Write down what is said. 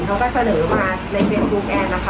เขาก็เสนอมาในเฟซบุ๊คแอนนะคะ